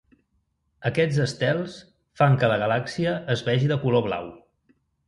Aquests estels fan que la galàxia es vegi de color blau.